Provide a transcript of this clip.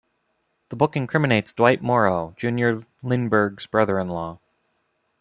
The book incriminates Dwight Morrow, Junior Lindbergh's brother-in-law.